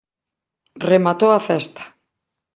Rematou a festa.